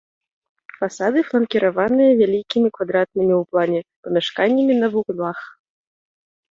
Фасады фланкіраваныя вялікімі квадратнымі ў плане памяшканнямі на вуглах.